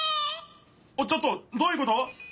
ちょっとどういうこと？